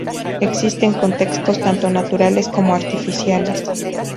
Existen contextos tanto naturales como artificiales.